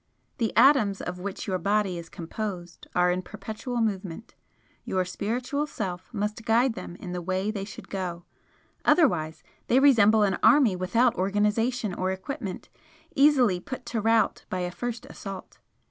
The atoms of which your body is composed are in perpetual movement, your Spiritual Self must guide them in the way they should go, otherwise they resemble an army without organisation or equipment, easily put to rout by a first assault.